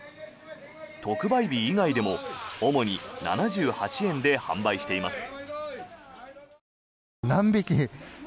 特売日以外でも主に７８円で販売しています。